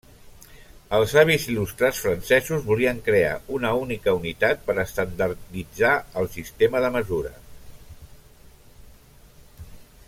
Els savis il·lustrats francesos volien crear una única unitat per estandarditzar el sistema de mesura.